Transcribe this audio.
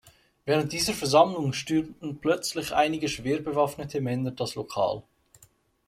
Während dieser Versammlung stürmten plötzlich einige schwerbewaffnete Männer das Lokal.